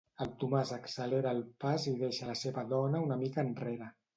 El Tomàs accelera el pas i deixa la seva dona una mica enrere.